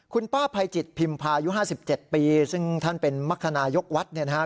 คุณป้าภัยจิตพิมพายุ๕๗ปีซึ่งท่านเป็นมรรคนายกวัดเนี่ยนะฮะ